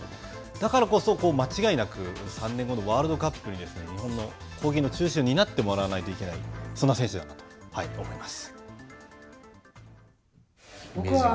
だからこそ、間違いなく３年後のワールドカップにですね、日本の攻撃の中心を担ってもらわないといけない、そんな選手だと思います。